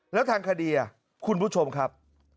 แล้วทางคดีคุณผู้ชมครับ